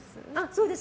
そうです。